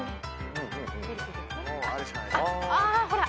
あほら。